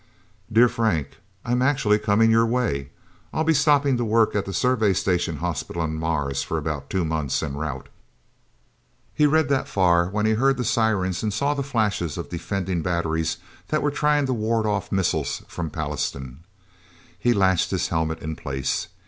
"Dear Frank: I'm actually coming your way. I'll be stopping to work at the Survey Station Hospital on Mars for two months en route..." He read that far when he heard the sirens and saw the flashes of defending batteries that were trying to ward off missiles from Pallastown. He latched his helmet in place.